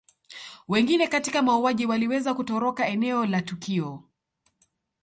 Wengine katika mauaji waliweza kutoroka eneo la tukio